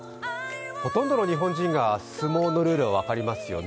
ほとんどの日本人が相撲のルールは分かりますよね。